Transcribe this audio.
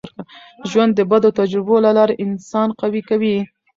ژوند د بدو تجربو له لاري انسان قوي کوي.